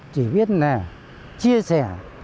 chỉ biết là chia sẻ